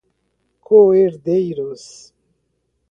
coerdeiros